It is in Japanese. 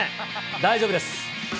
大丈夫です。